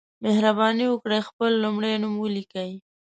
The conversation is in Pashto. مهرباني وکړئ خپل لمړی نوم ولیکئ